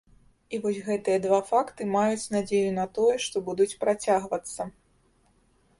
І вось гэтыя два факты маюць надзею на тое, што будуць працягвацца.